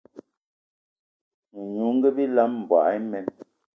Menungi bilam, mboigi imen